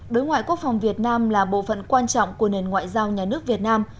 đối ngoại quốc phòng việt nam là bộ phận quan trọng của nền ngoại giao nhà nước việt nam